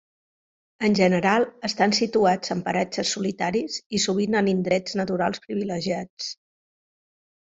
En general estan situats en paratges solitaris i sovint en indrets naturals privilegiats.